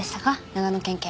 長野県警。